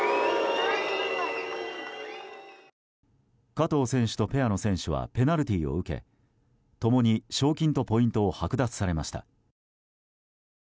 加藤選手とペアの選手はペナルティーを受け共に賞金とポイントをはく奪されました。